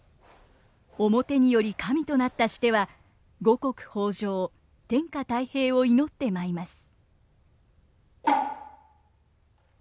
面により神となったシテは五穀豊穣天下泰平を祈って舞います。